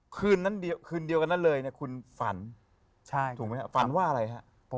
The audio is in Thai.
คืนนั้นเดียวกันนั้นเลยคุณฝันถูกไหมครับฝันว่าอะไรครับ